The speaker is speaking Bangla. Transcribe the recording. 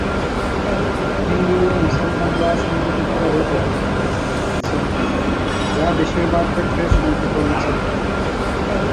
হিন্দু ও মুসলমানরা সম্মিলিতভাবে প্রতিরোধের প্রস্তাব দিয়েছিল, যা বেশিরভাগ ক্ষেত্রে শান্তিপূর্ণ ছিল।